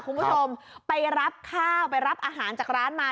คุณผู้ชมไปรับข้าวไปรับอาหารจากร้านมา